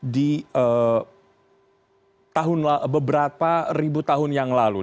di beberapa ribu tahun yang lalu